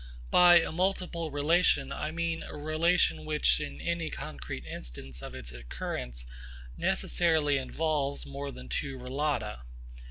By a multiple relation I mean a relation which in any concrete instance of its occurrence necessarily involves more than two relata.